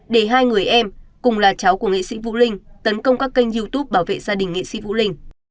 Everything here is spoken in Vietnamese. để hai người em cùng là cháu của nghệ sĩ vũ linh tấn công các kênh youtube bảo vệ gia đình nghệ sĩ vũ linh